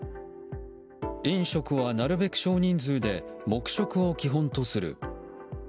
飲食はなるべく少人数で黙食を基本とする。